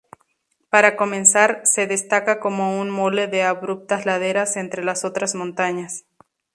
Para comenzar, se destaca como una mole de abruptas laderas entre las otras montañas.